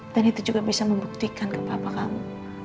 dan itu juga bisa membuktikan ke papa kamu